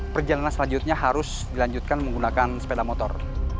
perjalanan selanjutnya harus dilanjutkan menggunakan sepeda motor